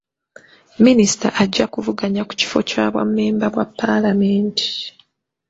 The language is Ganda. Minisita ajja kuvuganya ku kifo kyo bwa mmemba bwa paalamenti.